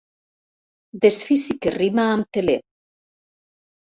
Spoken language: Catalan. Desfici que rima amb teler.